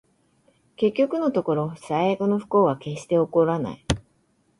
結局のところ、最悪の不幸は決して起こらない